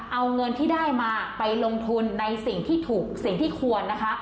เอาเงินที่ได้มาไปลงทุนในสิ่งที่ถูกสิ่งที่ควรนะคะ